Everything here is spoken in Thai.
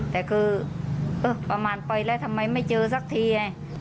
แต่คือประมาณไปแล้วทำไมไม่เจอสักทีไง